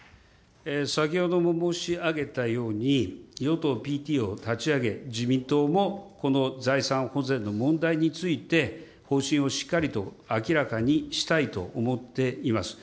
先ほども申し上げたように、与党ＰＴを立ち上げ、自民党もこの財産保全の問題について、方針をしっかりと明らかにしたいと思っています。